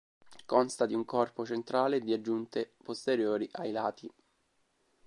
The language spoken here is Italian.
Consta di un corpo centrale e di aggiunte posteriori ai lati.